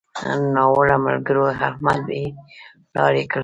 ناوړه ملګرو؛ احمد بې لارې کړ.